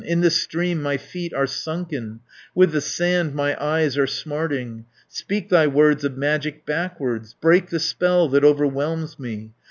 In the stream my feet are sunken, With the sand my eyes are smarting. "Speak thy words of magic backwards, Break the spell that overwhelms me!